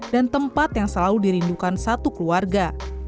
dan tempat yang selalu dirindukan satu keluarga